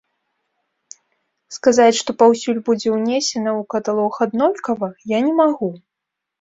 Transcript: Сказаць, што паўсюль будзе ўнесена ў каталог аднолькава, я не магу.